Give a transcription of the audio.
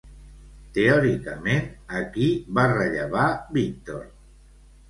Teòricament, a qui va rellevar Víctor?